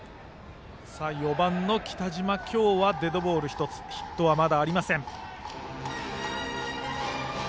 ４番の北島は今日はデッドボール１つヒットはまだありません。